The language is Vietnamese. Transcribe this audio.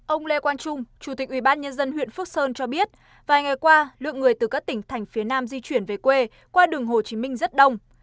ông lê quang trung chủ tịch ủy ban nhân dân huyện phước sơn cho biết vài ngày qua lượng người từ các tỉnh thành phía nam di chuyển về quê qua đường hồ chí minh rất đông